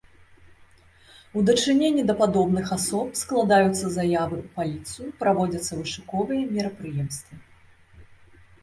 У дачыненні да падобных асоб складаюцца заявы ў паліцыю, праводзяцца вышуковыя мерапрыемствы.